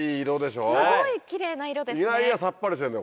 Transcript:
すごいキレイな色ですね！